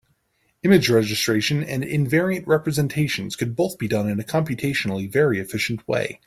Image registration and invariant representations could both be done in a computationally very efficient way.